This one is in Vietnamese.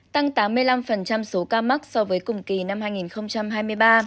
tăng tám mươi năm số ca mắc so với cùng kỳ năm hai nghìn hai mươi ba